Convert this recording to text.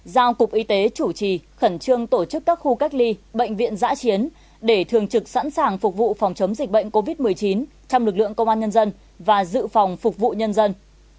giao cục y tế chủ trì khẩn trương tổ chức các khu cách ly bệnh viện giã chiến để thường trực sẵn sàng phục vụ phòng chống dịch bệnh covid một mươi chín trong lực lượng công an nhân dân và dự phòng phục vụ nhân dân